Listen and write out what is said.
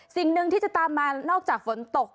สิ่งหนึ่งที่จะตามมานอกจากฝนตก